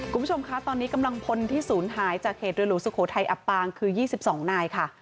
คุณผู้ชมคะตอนนี้กำลังพลที่ศูนย์หายจากเหตุเรือหลวงสุโขทัยอับปางคือ๒๒นายค่ะ